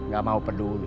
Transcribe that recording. gak mau peduli